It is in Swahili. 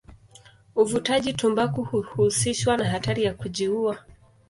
Uvutaji tumbaku huhusishwa na hatari ya kujiua.